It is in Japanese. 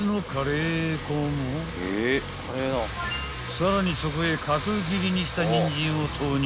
［さらにそこへ角切りにしたニンジンを投入］